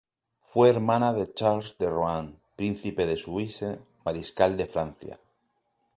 Fue hermana de Charles de Rohan, Príncipe de Soubise, mariscal de Francia.